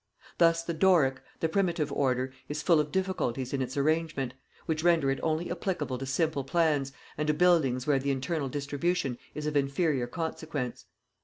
Thus the Doric, the primitive order, is full of difficulties in its arrangement, which render it only applicable to simple plans and to buildings where the internal distribution is of inferior consequence.